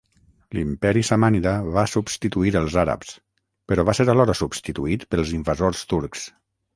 L'Imperi samànida va substituir els àrabs, però va ser alhora substituït pels invasors turcs.